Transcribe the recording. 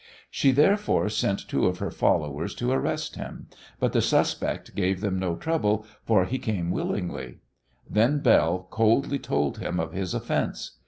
She, therefore, sent two of her followers to arrest him, but the suspect gave them no trouble, for he came willingly. Then Belle coldly told him of his offence.